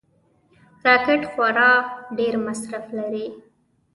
راکټ خورا ډېر مصرف لري